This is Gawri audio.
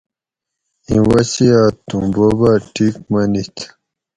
ایں وصیت تھوں بوبہ ٹِیک منیت